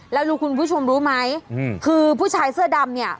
แล้วรู้คุณผู้ชมรู้ไหมคือผู้ชายเสื้อดำเนี่ย